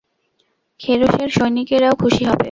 খেরোসের সৈনিকেরাও খুশি হবে।